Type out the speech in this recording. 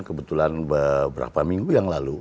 kebetulan beberapa minggu yang lalu